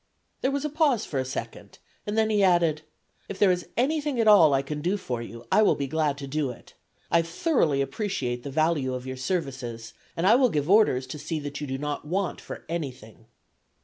There was a pause for a second, and then he added: "If there is anything at all I can do for you I will be glad to do it. I thoroughly appreciate the value of your services, and I will give orders to see that you do not want for anything."